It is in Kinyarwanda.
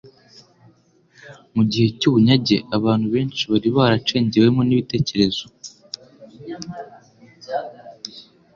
Mu gihe cy'ubunyage, abantu benshi bari baracengewemo n'ibitekerezo